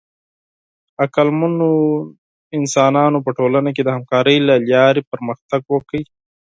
عقلمنو انسانانو په ټولنه کې د همکارۍ له لارې پرمختګ وکړ.